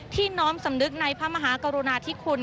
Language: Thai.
น้อมสำนึกในพระมหากรุณาธิคุณ